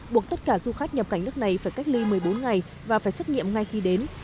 buộc tất cả du khách nhập cảnh nước này phải cách ly một mươi bốn ngày và phải xét nghiệm ngay khi đến